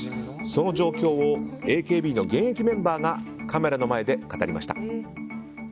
その状況をＡＫＢの現役メンバーがカメラの前で語りました。